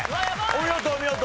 お見事お見事。